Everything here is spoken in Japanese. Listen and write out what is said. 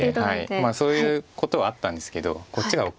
まあそういうことはあったんですけどこっちが。